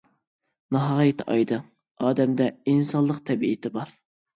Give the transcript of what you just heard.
ناھايىتى ئايدىڭ، ئادەمدە ئىنسانلىق تەبىئىتى بار.